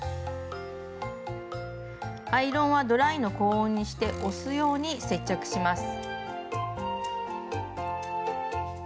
アイロンはドライの高温にして押すように接着します。